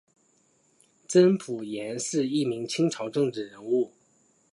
甄辅廷是一名清朝政治人物。